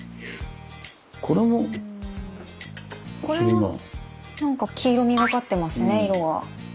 これはなんか黄色みがかってますね色が。